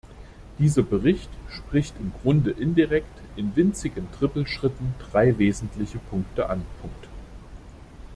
Dieser Bericht spricht im Grunde indirekt in winzigen Trippelschritten drei wesentliche Punkte an.